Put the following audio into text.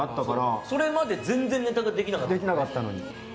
それまで全然ネタでできなかったのに。